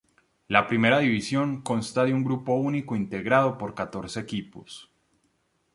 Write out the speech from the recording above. La Primera División consta de un grupo único integrado por catorce equipos.